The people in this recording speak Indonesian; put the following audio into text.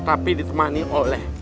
tapi ditemani oleh